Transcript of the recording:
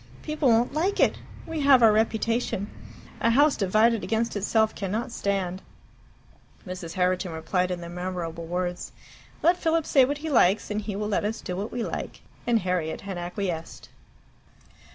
People won't like it. We have our reputation. A house divided against itself cannot stand." Mrs. Herriton replied in the memorable words, "Let Philip say what he likes, and he will let us do what we like." And Harriet had acquiesced.